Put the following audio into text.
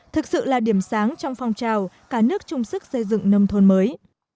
thực sự là điểm sáng trong phong trào cả nước chung sức xây dựng nông thôn mới